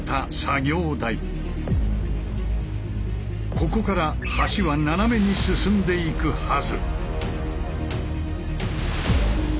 ここから橋は斜めに進んでいくはず。